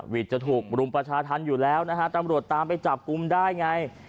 จะถูกรุมประชาธรรมอยู่แล้วนะฮะตำรวจตามไปจับกลุ่มได้ไง